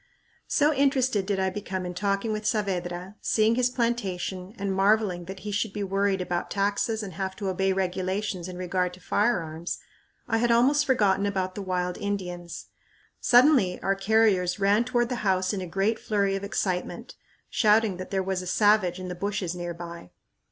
So interested did I become in talking with Saavedra, seeing his plantation, and marveling that he should be worried about taxes and have to obey regulations in regard to firearms, I had almost forgotten about the wild Indians. Suddenly our carriers ran toward the house in a great flurry of excitement, shouting that there was a "savage" in the bushes near by.